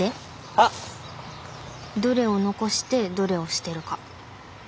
は？どれを残してどれを捨てるか。